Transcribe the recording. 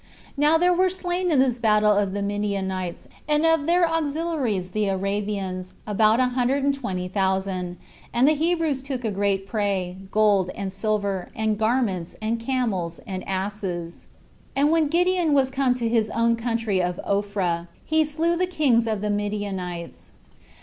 Now there were slain in this battle of the Midianites, and of their auxiliaries the Arabians, about a hundred and twenty thousand; and the Hebrews took a great prey, gold, and silver, and garments, and camels, and asses. And when Gideon was come to his own country of Ophrah, he slew the kings of the Midianites.